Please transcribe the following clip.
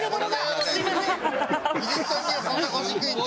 技術さんにはそんな腰低いんだ。